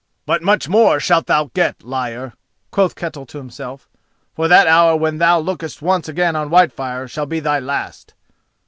"But much more shalt thou get, liar," quoth Ketel to himself, "for that hour when thou lookest once again on Whitefire shall be thy last!"